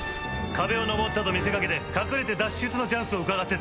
壁を登ったと見せかけて隠れて脱出のチャンスをうかがってた。